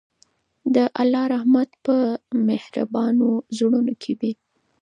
د الله رحمت په مهربانو زړونو کې وي.